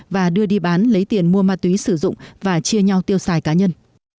và đưa đi bán lấy tiền mua ma túy sử dụng và chia nhau tiêu xài cá nhân